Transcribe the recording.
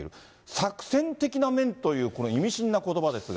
作戦的な面というこの意味深なことばですが。